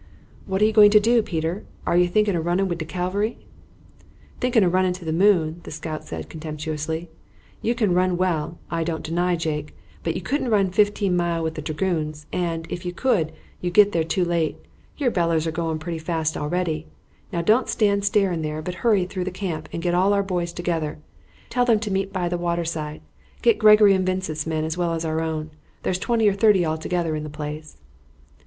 "What are you going to do, Peter? Are you thinking of running wid de cavalry?" "Thinking of running to the moon!" the scout said contemptuously. "You can run well, I don't deny, Jake, but you couldn't run fifteen mile with the dragoons; and, if you could, you'd get there too late. Yer bellows are going pretty fast already. Now don't stand staring there, but hurry through the camp and get all our boys together. Tell them to meet by the water side. Get Gregory and Vincent's men as well as our own. There's twenty or thirty altogether in the place."